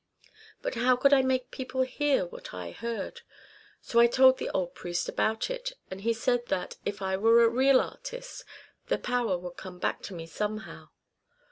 But how could I make people hear what I heard? So I told the old priest about it, and he said that, if I were a real artist, the power would come back to me somehow.